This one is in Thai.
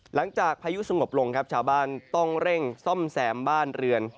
หลังจากพายุสงบลงครับชาวบ้านต้องเร่งซ่อมแซมบ้านเรือน